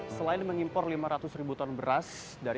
selain mengimpor lima ratus ribu ton beras